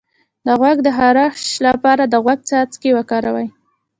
د غوږ د خارش لپاره د غوږ څاڅکي وکاروئ